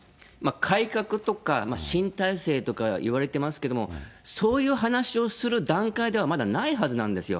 改革とか新体制とかいわれてますけども、そういう話をする段階ではまだないはずなんですよ。